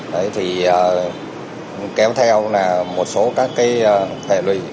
đấy thì kéo theo là một số các cái phẻ lùi